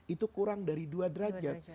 itu kurang dari dua derajat